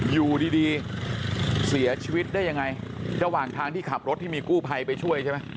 อยู่ดีดีเสียชีวิตได้ยังไงระหว่างทางที่ขับรถที่มีกู้ภัยไปช่วยใช่ไหม